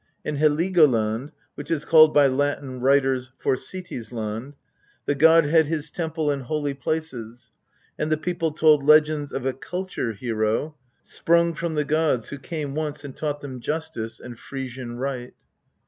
In Heligoland, which is called by Latin writers " Forsiti's land," the god had his temple and holy places, and the people told legends of a culture hero, sprung from the gods, who came once and taught them justice and " Frisian right."